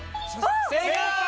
正解！